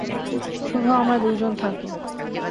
শুধু আমরা দুই জন থাকব।